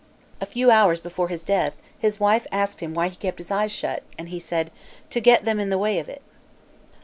A few hours before his death, his wife asked him why he kept his eyes shut, and he said, "to get them in the way of it."